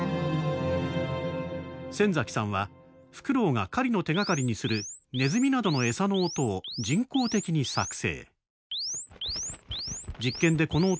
先崎さんはフクロウが狩りの手がかりにするネズミなどのエサの音を人工的に作成。